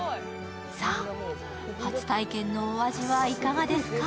さあ、初体験のお味はいかがですか。